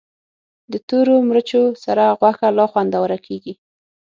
د تورو مرچو سره غوښه لا خوندوره کېږي.